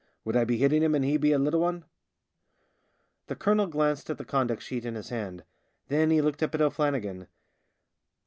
Would I be hitting him, and he a little one ?" The colonel glanced at the conduct sheet in his hand ; then he looked up at O'Flan nigan.